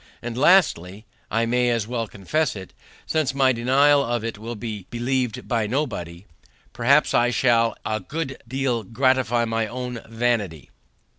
And, lastly (I may as well confess it, since my denial of it will be believed by nobody), perhaps I shall a good deal gratify my own vanity.